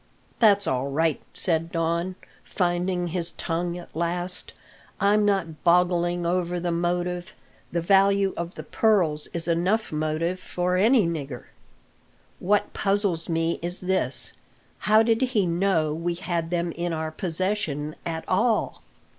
"That's all right," said Don, finding his tongue at last, "I'm not boggling over the motive: the value of the pearls is enough motive for any nigger. What puzzles me is this: How did he know we had them in our possession at all?"